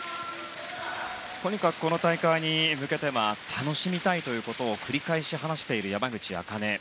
とにかくこの大会に向けては楽しみたいということを繰り返し話している、山口茜。